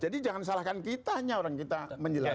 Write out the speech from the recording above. jadi jangan salahkan kita hanya orang kita menjelaskan